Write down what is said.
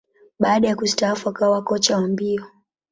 Baada ya kustaafu, akawa kocha wa mbio.